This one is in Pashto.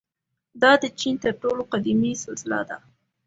• دا د چین تر ټولو قدیمي سلسله ده.